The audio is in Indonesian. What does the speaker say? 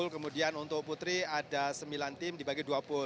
kemudian untuk putri ada sembilan tim dibagi dua puluh